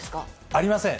ありません。